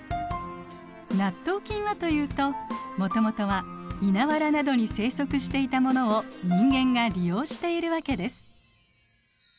納豆菌はというともともとは稲わらなどに生息していたものを人間が利用しているわけです。